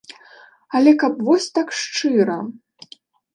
Але каб вось так шчыра!